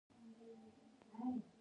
کوږ ذهن له رڼا پټ وي